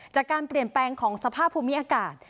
จากการเปลี่ยนแปลงของสภาพภูมิอากาศ